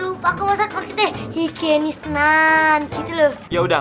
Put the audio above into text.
lupa aku pak ustadz